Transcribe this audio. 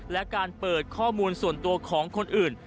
และการเปิดข้อมูลส่วนตัวของคนอื่น